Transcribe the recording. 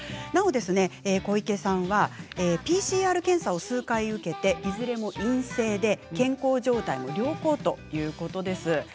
なお小池さんはＰＣＲ検査を数回受けていずれも陰性で健康状態も良好ということです。